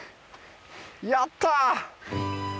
やった！